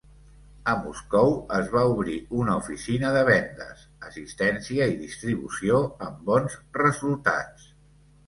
A Moscou es va obrir una oficina de vendes, assistència i distribució amb bons resultats.